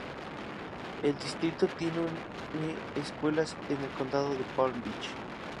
El distrito tiene escuelas en el Condado de Palm Beach.